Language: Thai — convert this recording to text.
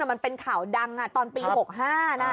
มันเป็นข่าวดังตอนปี๖๕นะ